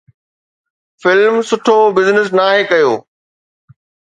Film سٺو business ناهي ڪيو.